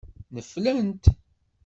Neflent.